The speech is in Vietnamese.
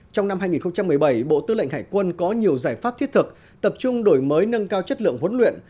trong năm hai nghìn một mươi bảy bộ tư lệnh hải quân có nhiều giải pháp thiết thực tập trung đổi mới nâng cao chất lượng huấn luyện